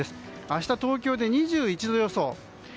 明日、東京で２１度予想。